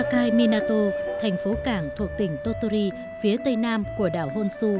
hãy đăng ký kênh để ủng hộ kênh của chúng mình nhé